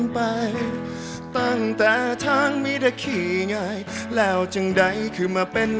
ใส่ว่าสิ่งมีกันเรื่อยไป